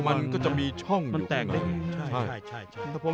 มันก็จะมีช่องอยู่พร้อม